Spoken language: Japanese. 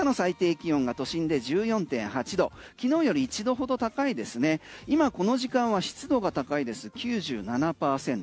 都心で１４．８度昨日より１度ほど高いですね、今この時間は湿度が高いです９７％。